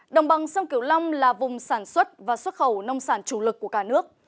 đồng bằng sông kiểu long là vùng sản xuất và xuất khẩu nông sản chủ lực của cả nước